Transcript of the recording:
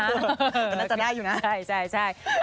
ก็น่าจะได้อยู่นะใช่